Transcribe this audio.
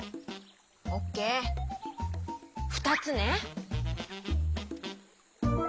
オッケーふたつね。